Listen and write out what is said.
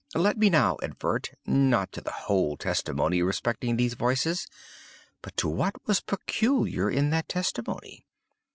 Let me now advert—not to the whole testimony respecting these voices—but to what was peculiar in that testimony.